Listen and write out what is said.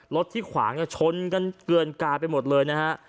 รถที่ขวางชนกันเกลือนกายไปหมดเลยนะฮะ